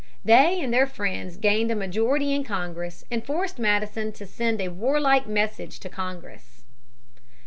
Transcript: They and their friends gained a majority in Congress and forced Madison to send a warlike message to Congress.